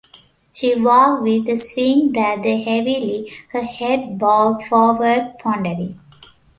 She walked with a swing, rather heavily, her head bowed forward, pondering.